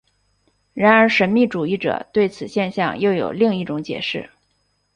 然而神秘主义者对此现象又有另一种解释。